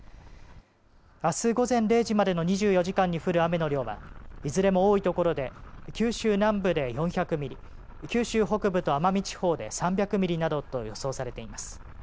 あす午前０時までの２４時間に降る雨の量は、いずれも多いところで九州南部で４００ミリ九州北部と奄美地方で３００ミリなどと予想されています。